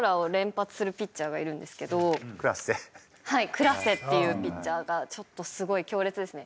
クラッセっていうピッチャーがちょっとすごい強烈ですね。